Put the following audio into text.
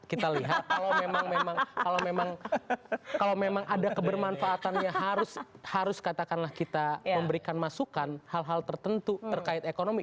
kalau memang ada kebermanfaatannya harus katakanlah kita memberikan masukan hal hal tertentu terkait ekonomi